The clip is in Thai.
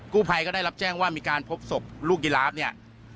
ผู้ภัยก็ได้รับแจ้งว่ามีการพบศพลูกยีราฟเนี่ย